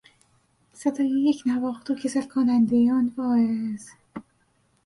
صدای یکنواخت و کسل کنندهی آن واعظ